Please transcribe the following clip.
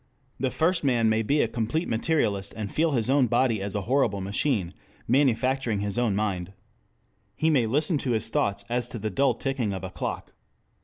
The first man may be a complete Materialist and feel his own body as a horrible machine manufacturing his own mind. He may listen to his thoughts as to the dull ticking of a clock.